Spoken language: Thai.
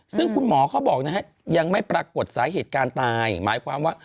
ซึ่งคุณหมอเขาบอกนะฮะยังไม่ปรากฏสาเหตุการตายหมายความว่า